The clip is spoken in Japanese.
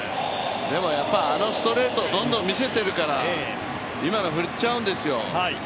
でもあのストレートをどんどん見せてるから今の振っちゃうんですよ。